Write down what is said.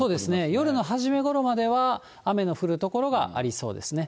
夜の初めごろまでは、雨の降る所がありそうですね。